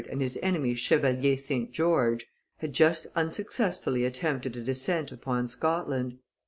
and his enemies Chevalier St. George, had just unsuccessfully attempted a descent upon Scotland.